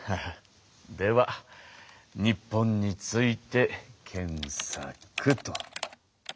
では日本について検さく。